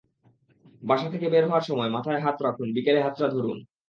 বাসা থেকে বের হওয়ার সময় মাথায় হাত রাখুন, বিকেলে হাতটা ধরুন।